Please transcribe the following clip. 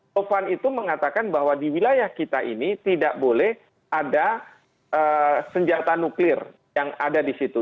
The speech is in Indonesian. sofan itu mengatakan bahwa di wilayah kita ini tidak boleh ada senjata nuklir yang ada di situ